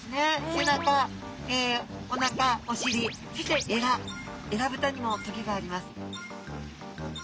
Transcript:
背中おなかおしりそしてえらえらぶたにもトゲがあります。